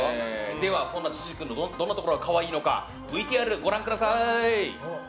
ではジジ君のどんなところが可愛いのかＶＴＲご覧ください。